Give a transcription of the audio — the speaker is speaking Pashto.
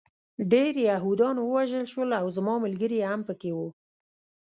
ډېر یهودان ووژل شول او زما ملګري هم پکې وو